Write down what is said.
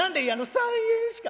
「３円しか」。